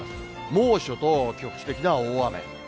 猛暑と局地的な大雨。